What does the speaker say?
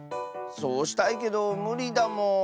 そうしたいけどむりだもん。